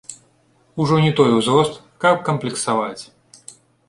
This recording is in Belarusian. Ужо не той узрост, каб камплексаваць!